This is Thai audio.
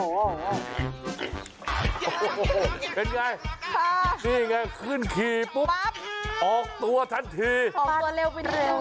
เป็นยังไงนี่แหงขึ้นขี่ปุ๊ปออกตัวทันทีออกตัวเร็วไปเร็ว